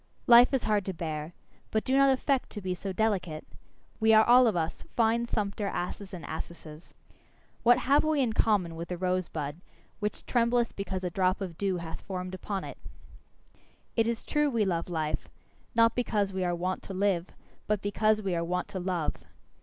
Life is hard to bear: but do not affect to be so delicate! We are all of us fine sumpter asses and assesses. What have we in common with the rose bud, which trembleth because a drop of dew hath formed upon it? It is true we love life; not because we are wont to live, but because we are wont to love.